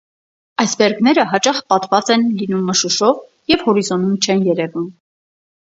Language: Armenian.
Այսբերգները հաճախ պատված են լինում մշուշով և հորիզոնում չեն երևում։